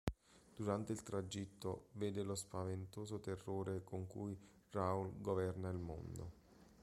Durante il tragitto vede lo spaventoso terrore con cui Raoul governa il mondo.